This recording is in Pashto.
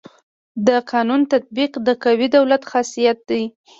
د قانون تطبیق د قوي دولت خاصيت دی.